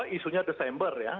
isunya desember ya